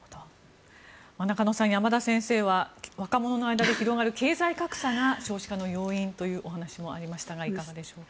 中野さん、山田先生は若者の間で広がる経済格差が少子化の要因というお話もありましたがいかがでしょうか。